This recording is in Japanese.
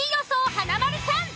華丸さん。